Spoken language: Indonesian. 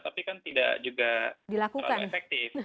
tapi kan tidak juga terlalu efektif